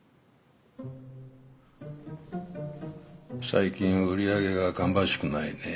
最近売り上げが芳しくないね。